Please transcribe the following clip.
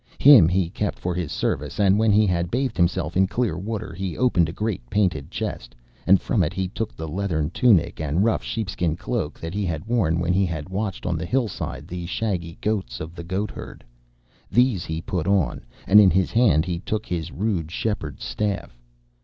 Him he kept for his service, and when he had bathed himself in clear water, he opened a great painted chest, and from it he took the leathern tunic and rough sheepskin cloak that he had worn when he had watched on the hillside the shaggy goats of the goatherd. These he put on, and in his hand he took his rude shepherd's staff.